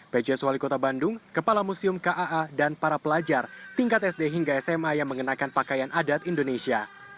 pjs wali kota bandung kepala museum kaa dan para pelajar tingkat sd hingga sma yang mengenakan pakaian adat indonesia